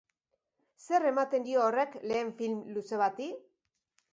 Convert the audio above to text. Zer ematen dio horrek lehen film luze bati?